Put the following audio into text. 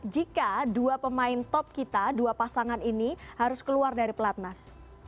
jika dua pemain top kita dua pasangan ini harus keluar dari pelatnas